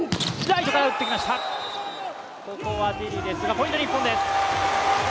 ポイント、日本です。